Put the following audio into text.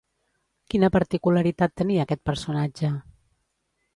Quina particularitat tenia aquest personatge?